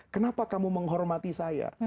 kenapa kamu menghormati saya